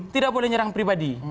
tidak boleh nyerang pribadi